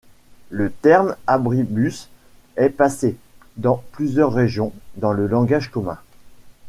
Le terme Abribus est passé, dans plusieurs régions, dans le langage commun.